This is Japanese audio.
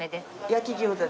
焼き餃子。